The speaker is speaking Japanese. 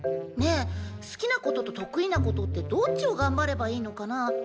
ねえ好きなことと得意なことってどっちを頑張ればいいのかな？